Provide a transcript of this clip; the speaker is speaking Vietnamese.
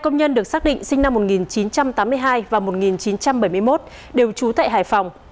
một công nhân được xác định sinh năm một nghìn chín trăm tám mươi hai và một nghìn chín trăm bảy mươi một đều trú tại hải phòng